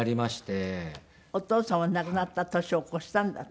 お父様亡くなった年を超したんだって？